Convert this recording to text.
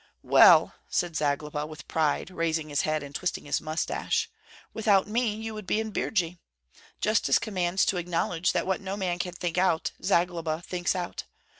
"Well," said Zagloba, with pride, raising his head and twisting his mustache. "Without me you would be in Birji! Justice commands to acknowledge that what no man can think out, Zagloba thinks out.